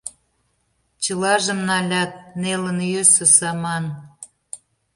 Чылажым — налят!!! — нелын йӧсӧ саман…